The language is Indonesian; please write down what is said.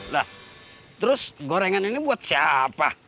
lah terus gorengan ini buat siapa